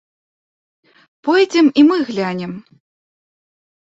Пойдзем і мы глянем.